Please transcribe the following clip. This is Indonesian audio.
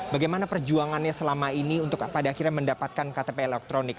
bagaimana perjuangannya selama ini untuk pada akhirnya mendapatkan ktp elektronik